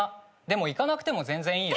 でも行かなくても全然いいよ。